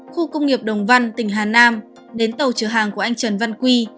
khu công nghiệp đồng văn tỉnh hà nam đến tàu chở hàng của anh trần văn quy